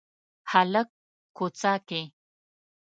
هلک کوڅه کې